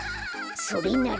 それなら。